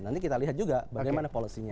nanti kita lihat juga bagaimana polosinya